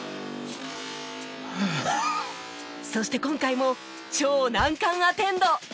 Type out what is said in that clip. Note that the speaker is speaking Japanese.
そして今回も超難関アテンド